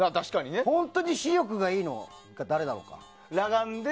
本当に視力がいいのって誰だろうか。